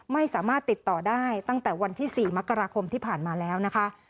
ไม่สามารถติดต่อได้ตั้งแต่วันที่๔มกราคมที่ผ่านมาแล้วนะคะ